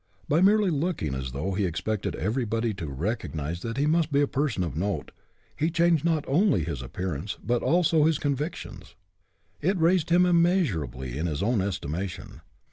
By merely looking as though he expected everybody to recognize that he must be a person of note, he changed not only his appearance, but also his convictions. It raised him immeasurably in his own estima tion.